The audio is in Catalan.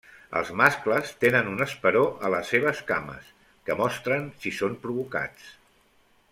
Els mascles tenen un esperó a les seves cames, que mostren si són provocats.